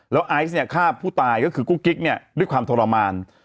แล้วไอซ์ฆ่าผู้ตายก็คือกุ๊กกิ๊กด้วยความทรมาน